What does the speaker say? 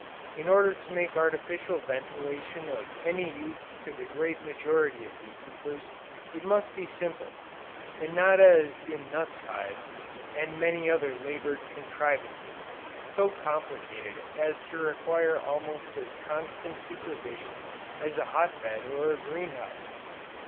In order to make artificial ventilation of any use to the great majority of bee keepers, it must be simple, and not as in Nutt's hive, and many other labored contrivances, so complicated as to require almost as constant supervision as a hot bed or a green house.